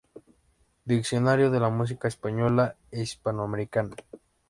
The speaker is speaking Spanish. Diccionario de la música española e hispanoamericana.